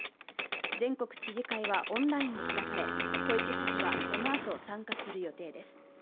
全国知事会はオンラインで開かれ、小池知事は、このあと参加する予定です。